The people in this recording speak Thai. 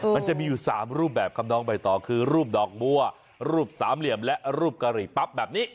มันจะมีอยู่๓รูปแบบครับน้องใบตองคือรูปดอกบัวรูปสามเหลี่ยมและรูปกะหรี่ปั๊บแบบนี้